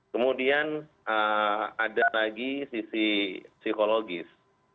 kemudian ada lagi sisi psikologis